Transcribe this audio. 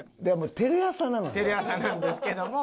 テレ朝なんですけども。